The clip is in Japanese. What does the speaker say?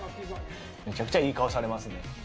めちゃくちゃいい顔されますね。